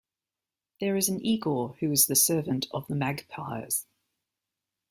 There is an Igor who is the servant of the Magpyrs.